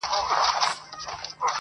o لاس، لاس پېژني!